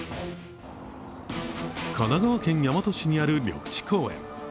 神奈川県大和市にある緑地公園。